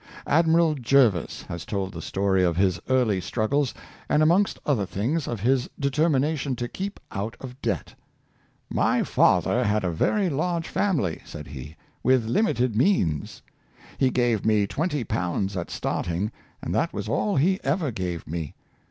Admiral Jervis has told the story of his early strug gles, and, amongst other things, of his determination to keep out of debt. "My father had a very large fami ly," said he, " with limited means. He gave me twenty pounds at starting, and that was all he ever gave me.